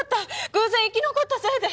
偶然生き残ったせいで！